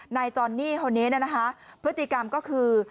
นายจอนนี่เขาเนี้ยน่ะนะคะพฤติกรรมก็คือ